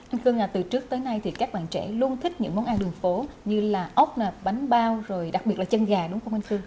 anh cương à từ trước tới nay thì các bạn trẻ luôn thích những món ăn đường phố như là ốc bánh bao rồi đặc biệt là chân gà đúng không anh cương